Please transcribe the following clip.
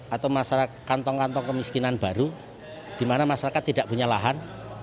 atau kantong kantong kemiskinan baru di mana masyarakat tidak punya lahan